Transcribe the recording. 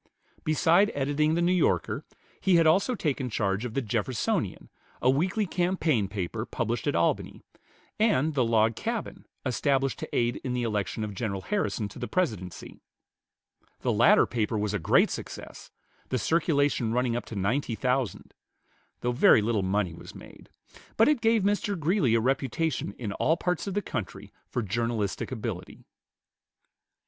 Beside editing the "New Yorker," he had also taken charge of the "Jeffersonian," a weekly campaign paper published at Albany, and the "Log Cabin," established to aid in the election of General Harrison to the Presidency. The latter paper was a great success, the circulation running up to ninety thousand, though very little money was made; but it gave Mr. Greeley a reputation in all parts of the country for journalistic ability.